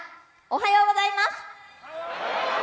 おはようございます！